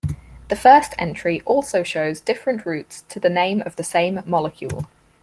The first entry also shows different routes to the name of the same molecule.